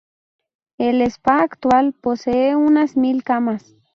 El spa actual posee unas mil camas.